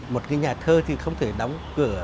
một cái nhà thơ thì không thể đóng cửa